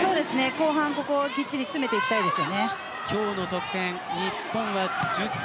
後半、ここをきっちり詰めていきたいです。